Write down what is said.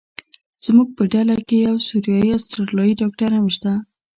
زموږ په ډله کې یو سوریایي استرالیایي ډاکټر هم شته.